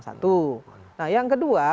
satu yang kedua